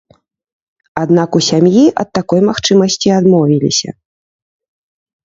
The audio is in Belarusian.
Аднак у сям'і ад такой магчымасці адмовіліся.